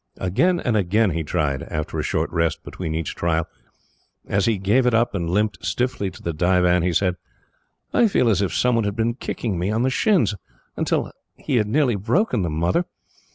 Again and again he tried, after a short rest between each trial. As he gave it up, and limped stiffly to the divan, he said: "I feel as if some one had been kicking me on the shins, until he had nearly broken them, Mother.